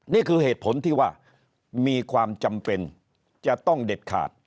นี่คือเหตุผลที่ว่ามีความจำเป็นจะต้องเด็ดขาด